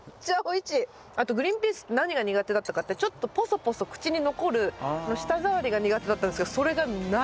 あとグリーンピース何が苦手だったかってちょっとぽそぽそ口に残る舌触りが苦手だったんですけどそれがない。